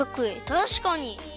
たしかに！